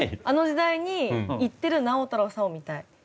あの時代に行ってる直太朗さんを見たい。